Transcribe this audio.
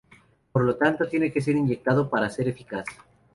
Por lo tanto, tiene que ser inyectado para ser eficaz.